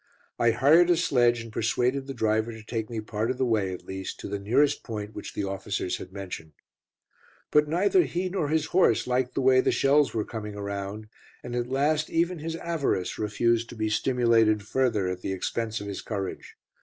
I hired a sledge and persuaded the driver to take me part of the way at least to the nearest point which the officers had mentioned. But neither he nor his horse liked the way the shells were coming around, and at last even his avarice refused to be stimulated further at the expense of his courage.